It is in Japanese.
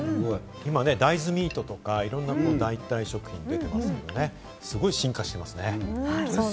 今、大豆ミートとか、いろんな代替食品でてますけどね、すごく進化していますね。